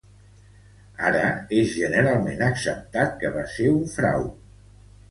Ara, és generalment acceptat que va ser un frau.